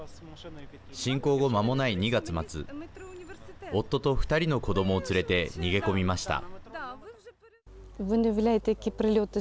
侵攻後、まもない２月末夫と２人の子どもを連れて逃げ込みました。